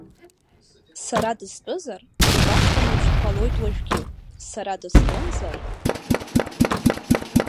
Сара дыстәызар, убасҟан еиԥш дҟалоит уажәгьы, са дыстәымзар…